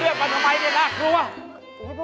ไอ้เบิร์นเค้าเรียกว่าทำไมเนี่ยน่ากลัว